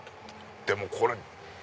でもこれ。